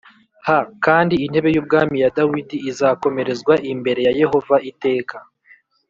H kandi intebe y ubwami ya dawidi izakomerezwa imbere yayehova iteka